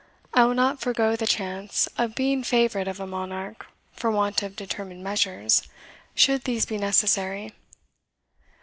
I will not forego the chance of being favourite of a monarch for want of determined measures, should these be necessary.